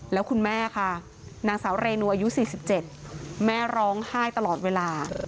แล้วคุณแม่ค่ะนางสาวเรนูอายุ๔๗แม่ร้องไห้ตลอดเวลา